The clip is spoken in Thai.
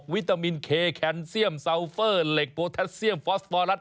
วิตามินเคแคนเซียมซาวเฟอร์เหล็กโปแทสเซียมฟอสปอร์รัส